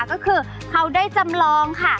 ก็คือเค้าได้จำลอง